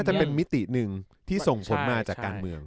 จะเป็นมิติหนึ่งที่ส่งผลมาจากการเมือง